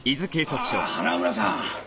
ああ花村さん。